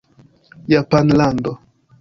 Japanlando